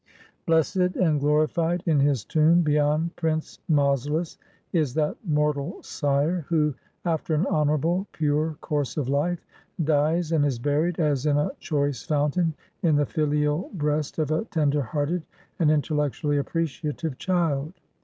Blessed and glorified in his tomb beyond Prince Mausolus is that mortal sire, who, after an honorable, pure course of life, dies, and is buried, as in a choice fountain, in the filial breast of a tender hearted and intellectually appreciative child.